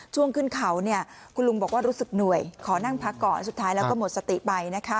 ช่วงขึ้นเขาคุณลุงบอกว่ารู้สึกเหนื่อยขอนั่งพักก่อนสุดท้ายแล้วก็หมดสติไปนะคะ